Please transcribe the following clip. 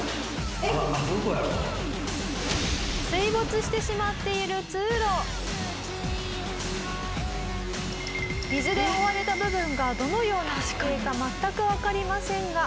「水没してしまっている通路」「水で覆われた部分がどのような地形か全くわかりませんが」